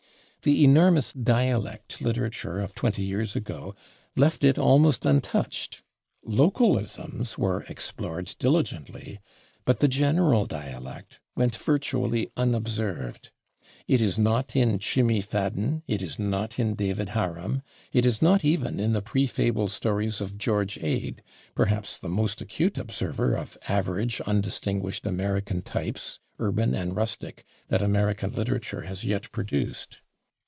The enormous dialect literature of twenty years ago left it almost untouched. Localisms were explored diligently, but the general dialect went virtually unobserved. It is not in "Chimmie Fadden"; it is not in [Pg191] "David Harum"; it is not even in the pre fable stories of George Ade, perhaps the most acute observer of average, undistinguished American types, urban and rustic, that American literature has yet produced.